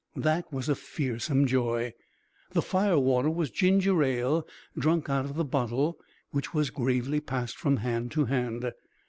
That was a fearsome joy. The fire water was ginger ale drunk out of the bottle, which was gravely passed from hand to hand.